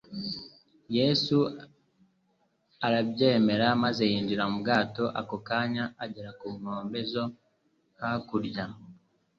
Yesu arabyemera, maze yikira mu bwato, ako kanya agera ku nkombe zo kakurya.